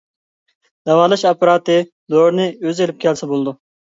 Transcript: داۋالاش ئاپپاراتى دورىنى ئۆزى ئېلىپ كەلسە بولىدۇ.